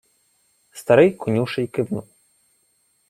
Старий конюший кивнув.